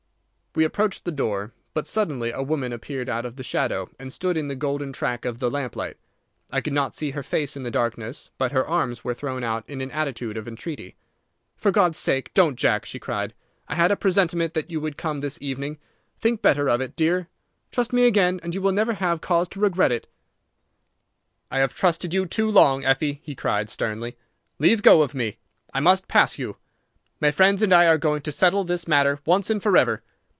We approached the door; but suddenly a woman appeared out of the shadow and stood in the golden track of the lamp light. I could not see her face in the darkness, but her arms were thrown out in an attitude of entreaty. "For God's sake, don't Jack!" she cried. "I had a presentiment that you would come this evening. Think better of it, dear! Trust me again, and you will never have cause to regret it." "I have trusted you too long, Effie," he cried, sternly. "Leave go of me! I must pass you. My friends and I are going to settle this matter once and forever!"